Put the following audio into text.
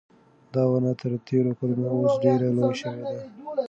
دا ونه تر تېرو کلونو اوس ډېره لویه شوې ده.